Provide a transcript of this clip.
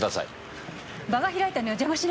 場が開いたのよ邪魔しないで。